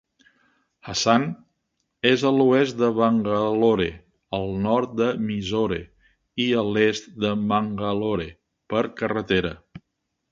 Hassan és a l'oest de Bangalore, al nord de Mysore i a l'est de Mangalore per carretera.